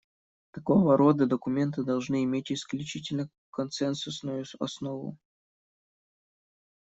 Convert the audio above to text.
Такого рода документы должны иметь исключительно консенсусную основу.